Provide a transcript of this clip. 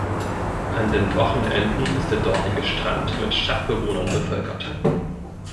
An den Wochenenden ist der dortige Strand mit Stadtbewohnern bevölkert.